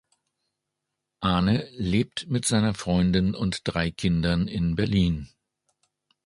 Ahne lebt mit seiner Freundin und drei Kindern in Berlin.